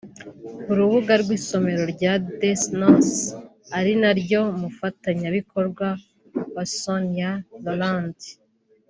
Ku rubuga rw’isomero rya Desnos ari naryo mufatanyabikorwa wa Sonia Rolland